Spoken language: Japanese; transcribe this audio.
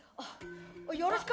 よろしく！